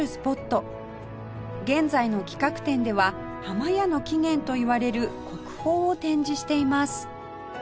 現在の企画展では破魔矢の起源といわれる国宝を展示しています